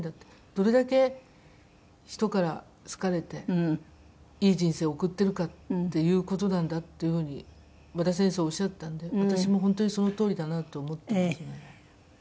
どれだけ人から好かれていい人生を送ってるかっていう事なんだっていう風に和田先生おっしゃったんで私も本当にそのとおりだなと思ってますね。